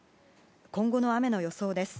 今後の雨の予想です。